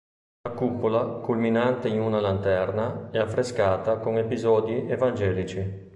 La cupola, culminante in una lanterna, è affrescata con episodi evangelici.